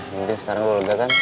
mending sekarang gue lega kan